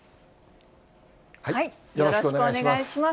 よろしくお願いします。